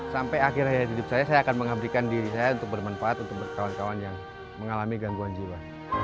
sampai akhir akhir hidup saya saya akan mengabdikan diri saya untuk bermanfaat untuk kawan kawan yang mengalami gangguan jiwa